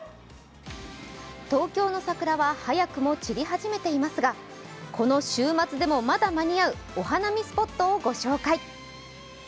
東京の桜は速くも散り始めていますがこの週末でもまだ間に合うお花見スポットを紹介。